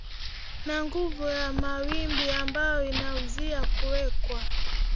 na nguvu ya mawimbi ambayo inazuia kuwekwa